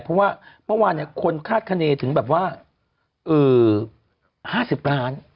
เพราะว่าเมื่อวานคนคาดคณีถึงแบบว่า๕๐ล้าน